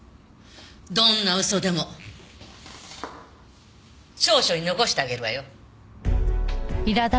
どんな嘘でも調書に残してあげるわよ。